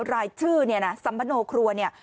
รายชื่อเนี่ยนะสัมมโนครัวเนี่ย